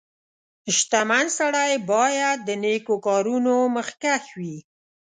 • شتمن سړی باید د نیکو کارونو مخکښ وي.